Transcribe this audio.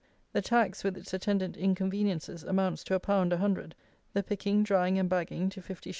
The tax, with its attendant inconveniences, amounts to a pound a hundred; the picking, drying, and bagging, to 50_s.